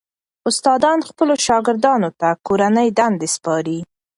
استادان خپلو شاګردانو ته کورنۍ دندې سپاري.